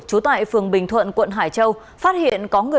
trú tại phường bình thuận quận hải châu